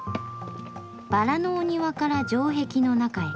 バラのお庭から城壁の中へ。